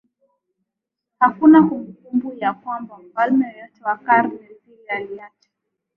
hakuna kumbukumbu ya kwamba mfalme yeyote wa karne zile aliacha